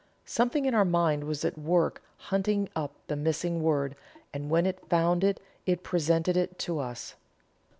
Something in our mind was at work hunting up the missing word, and when it found it it presented it to us.